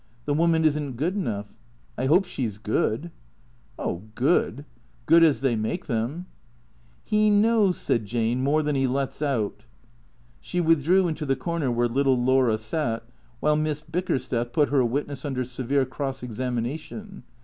" The woman is n't good enough. I hope she's good." " Oh — good. Good as they make them," " He knows/' said Jane, " more than he lets out." She withdrew into the corner where little Laura sat, while Miss Bickersteth put her witness under severe cross examina tion.